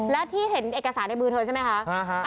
และที่เห็นเอกสารในมือเธอใช่ไหมคะ